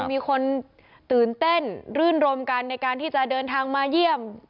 มีคนตื่นเต้นรื่นรมกันในการที่จะเดินทางมาเยี่ยม